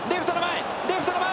レフトの前。